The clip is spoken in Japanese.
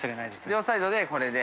両サイドでこれで。